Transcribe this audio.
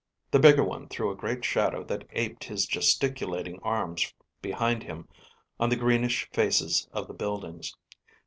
The bigger one threw a great shadow that aped his gesticulating arms behind him on the greenish faces of the buildings.